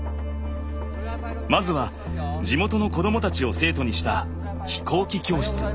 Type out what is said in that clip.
まずは地元の子供たちを生徒にした飛行機教室。